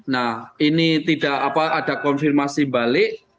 nah ini tidak ada konfirmasi balik